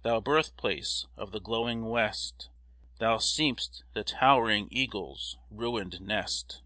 thou birthplace of the glowing west, Thou seem'st the towering eagle's ruined nest!